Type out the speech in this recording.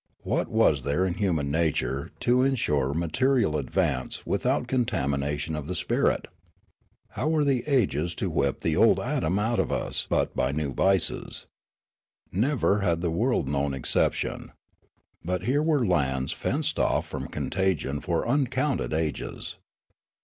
What was there in human nature to insure material advance without contamination of the spirit ? How were the ages to whip the old Adam out of us but by new vices ? Never had the world known exception. But here were lands fenced off from contagion for uncounted ages.